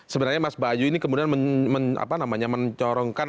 sebenarnya mas bayu ini kemudian mencorongkan